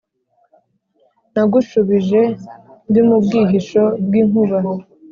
Nagushubije ndimubwihisho bwinkuba